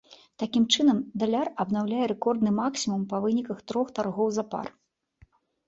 Такім чынам даляр абнаўляе рэкордны максімум па выніках трох таргоў запар.